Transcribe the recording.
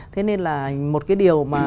thế nên là một cái điều mà